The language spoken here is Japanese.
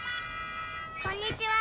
「こんにちは」